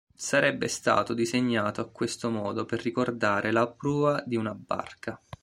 Sarebbe stato disegnato a questo modo per ricordare la prua di una barca.